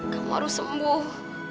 kamu harus sembuh